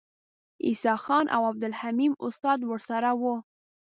عیسی خان او عبدالحلیم استاد ورسره وو.